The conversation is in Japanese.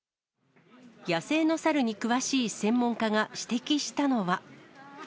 野生のサルに詳しい専門家が指摘したのは。